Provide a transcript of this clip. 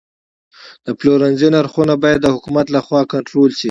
د پلورنځي نرخونه باید د حکومت لخوا کنټرول شي.